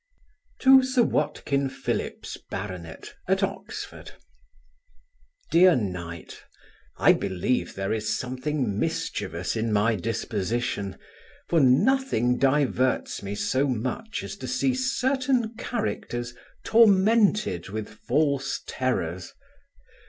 To Sir WATKIN PHILLIPS, Bart. at Oxon. DEAR KNIGHT, I believe there is something mischievous in my disposition, for nothing diverts me so much as to see certain characters tormented with false terrors.